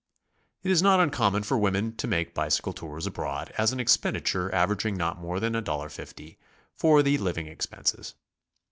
It is not uncommon for women to make bicycle tours abroad at an expenditure averaging not more than $1.50 a day for the living expenses.